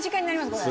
これ。